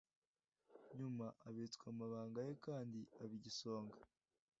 nyuma abitswa amabanga ye kandi aba igisonga.